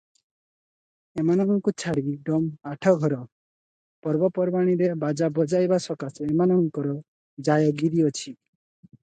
ଏମାନଙ୍କୁ ଛାଡ଼ି ଡମ ଆଠ ଘର, ପର୍ବପର୍ବାଣୀରେ ବାଜା ବଜାଇବା ସକାଶେ ଏମାନଙ୍କର ଜାୟଗିରି ଅଛି ।